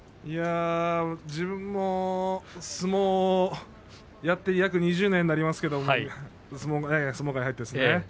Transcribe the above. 自分も相撲をやって約２０年になりますけれども相撲界に入ってですね